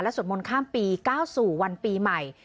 และสวดมนต์ข้ามปี๙สู่วันปีใหม่